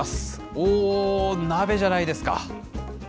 おおっ、鍋じゃないですか。